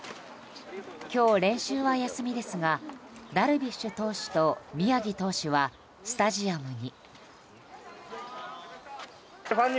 今日、練習は休みですがダルビッシュ投手と宮城投手はスタジアムに。